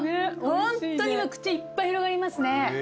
ホントに口いっぱい広がりますね。